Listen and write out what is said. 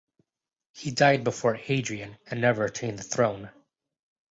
He died before Hadrian and never attained the throne.